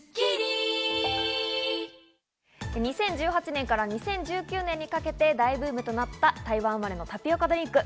２０１８年から２０１９年にかけて大ブームとなった台湾生まれのタピオカドリンク。